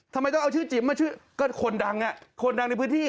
ทำไมต้องเอาชื่อจิ๋มมาชื่อก็คนดังอ่ะคนดังในพื้นที่